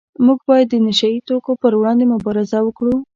موږ باید د نشه یي توکو پروړاندې مبارزه وکړو